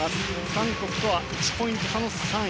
韓国とは１ポイント差の３位。